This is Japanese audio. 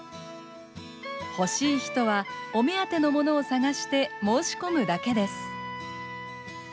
欲しい人はお目当てのものを探して申し込むだけです。